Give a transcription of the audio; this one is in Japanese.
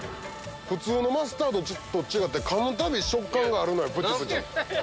普通のマスタードと違ってかむたび食感があるのよプチプチ。